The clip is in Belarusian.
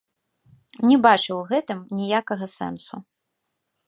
Не бачу ў гэтым ніякага сэнсу.